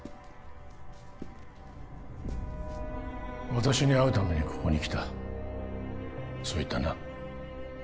私に会うためにここに来たそう言ったな？